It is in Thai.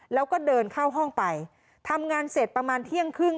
แล้วก็เดินเข้าห้องไปทำงานเสร็จประมาณเที่ยงครึ่ง